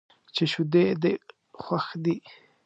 چې شیدې دې خوښ دي.